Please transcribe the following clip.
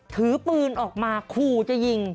ถือปืนออกมาขู่จะยิง